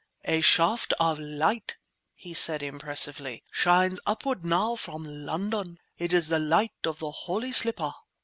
"A shaft of light," he said impressively, "shines upward now from London. It is the light of the holy slipper."